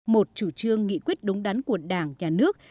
một chủ trương nghị quyết đúng đắn của đảng nhà nước